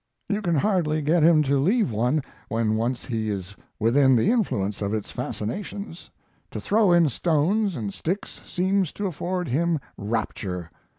You can hardly get him to leave one when once he is within the influence of its fascinations. To throw in stones and sticks seems to afford him rapture.